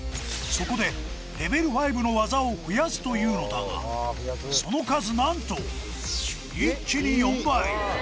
そこでレベル５の技を増やすというのだがその数何と一気に４倍！